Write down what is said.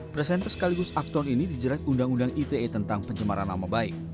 presenter sekaligus aktor ini dijerat undang undang ite tentang pencemaran nama baik